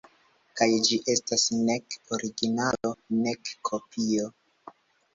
Kaj ĝi estas nek originalo, nek kopio.